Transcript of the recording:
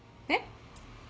えっ？